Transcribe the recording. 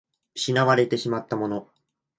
失われてしまったもの